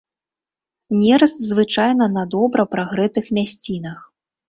Нераст звычайна на добра прагрэтых мясцінах.